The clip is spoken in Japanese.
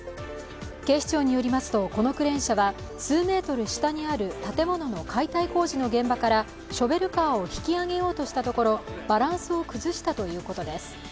警視庁によりますと、このクレーン車は数メートル下にある建物の解体工事現場からショベルカーを引き上げようとしたところバランスを崩したということです。